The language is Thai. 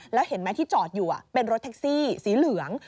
แล้วเห็นไหมที่จอดอยู่เป็นรถแท็กซี่สีเหลือง